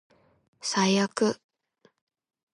最悪